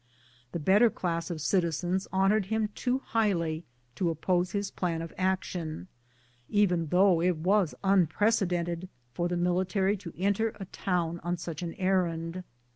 The better class of citizens honored him too highly to oppose his plan of action, even though it was unprecedented for the military to enter a town on such an errand.